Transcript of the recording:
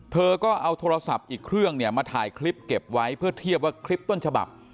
เธอก็เอาโทรศัพท์อีกเครื่องเนี่ยมาถ่ายคลิปเก็บไว้เพื่อเทียบว่าคลิปต้นฉบับ